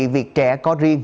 việc trẻ có riêng